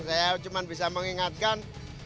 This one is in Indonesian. saya cuma bisa mengingatkan